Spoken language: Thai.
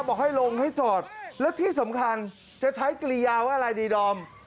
บอกให้ลงให้จอดแล้วที่สำคัญจะใช้กิริยาว่าอะไรดีดอม